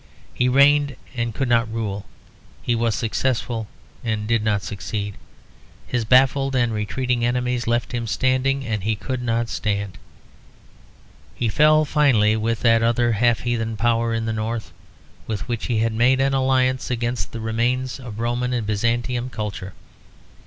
He reigned and he could not rule; he was successful and he did not succeed. His baffled and retreating enemies left him standing, and he could not stand. He fell finally with that other half heathen power in the North, with which he had made an alliance against the remains of Roman and Byzantine culture.